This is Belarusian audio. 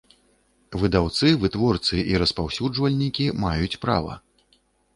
Выдаўцы, вытворцы i распаўсюджвальнiкi маюць права.